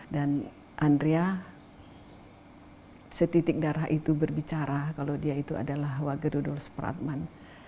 dan andrea setitik darah itu berbicara kalau dia itu adalah wage rudolf supratman